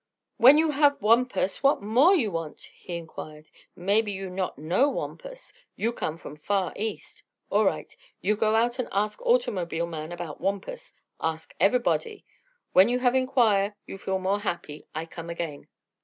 "When you have Wampus, what more you want?" he inquired. "Maybe you not know Wampus. You come from far East. All right. You go out and ask automobile man about Wampus. Ask ever'body. When you have inquire you feel more happy. I come again."